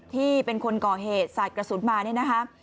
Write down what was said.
ที่เป็นคนก่อเหตุสาดกระสุนมาเนี่ยนะคะ